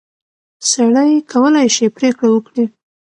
سړی کولای شي پرېکړه وکړي.